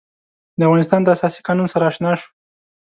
د افغانستان د اساسي قانون سره آشنا شو.